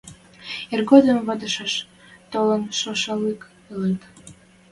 – Иргодым вадешеш толын шошашлык ылыт.